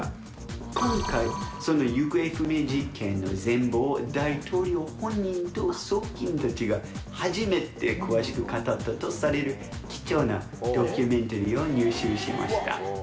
今回、その行方不明事件の全貌を大統領本人と側近たちが初めて詳しく語ったとされる貴重なドキュメンタリーを入手しました。